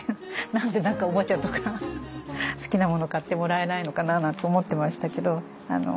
なんでおもちゃとか好きなもの買ってもらえないのかななんて思ってましたけど。